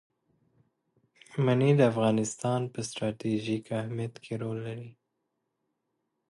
منی د افغانستان په ستراتیژیک اهمیت کې رول لري.